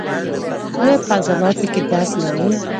ایا په عضلاتو کې درد لرئ؟